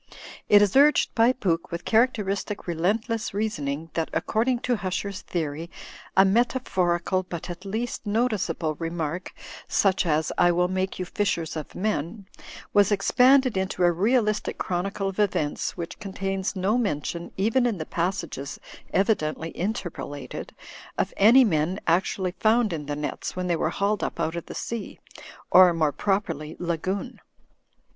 It is urged by Pooke, with cha: acteristic relentless reasoning, that according to Hu cher's theory a metaphorical but at least noticeable reii mark, such as, 'I will make you fishers of men/ waftc expanded into a realistic chronicle of events whicWtei contains no mention, even in the passages evidentlyill interpolated, of any men actually found in the nets'.\ when they were hauled up out of the sea; or, moreti properly, lagoon.